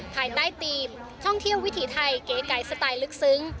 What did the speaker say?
ภายใต้ทีมท่องเที่ยววิถีไทยเก๋ไก่สไตล์ลึกซึ้ง